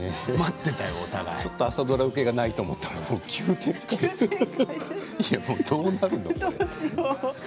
ちょっと朝ドラ受けがないと思ったらどうなるの？